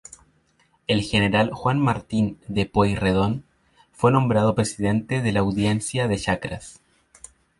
El general Juan Martín de Pueyrredón fue nombrado presidente de la Audiencia de Charcas.